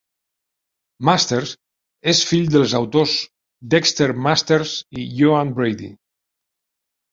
Masters és fill dels autors Dexter Masters i Joan Brady.